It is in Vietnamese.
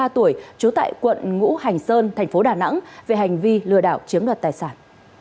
ba mươi tuổi trú tại quận ngũ hành sơn thành phố đà nẵng về hành vi lừa đảo chiếm đoạt tài sản